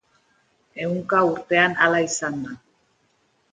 Ehunka urtean hala izan da.